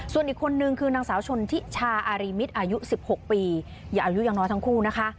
ส่วนอีกคนนึงคือนางสาวชนทิชาอารีมิตรอายุ๑๖ปีอายุยังน้อยทั้งคู่นะคะ